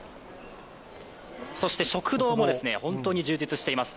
食堂も本当に充実しています。